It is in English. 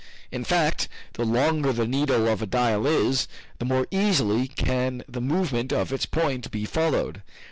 In fact, the longer the needle of a dial is, the more easily can the movement of its point be followed.